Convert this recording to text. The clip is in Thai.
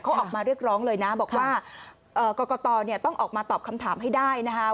เขาออกมาเรียกร้องเลยนะบอกว่ากรกตต้องออกมาตอบคำถามให้ได้นะคะ